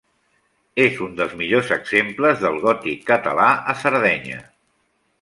És un dels millors exemples del gòtic català a Sardenya.